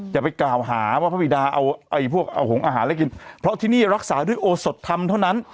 อย่าไปกล่าวหาว่าพระบิดาเอาพวกเอาหงอาหารและกินเพราะที่นี่รักษาด้วยโอสดธรรมเท่านั้น